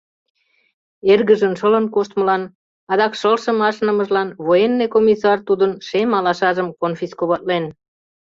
Эргыжын шылын коштмылан, адак шылшым ашнымыжлан военный комиссар тудын шем алашажым конфисковатлен.